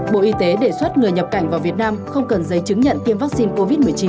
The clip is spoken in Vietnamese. bộ y tế đề xuất người nhập cảnh vào việt nam không cần giấy chứng nhận tiêm vaccine covid một mươi chín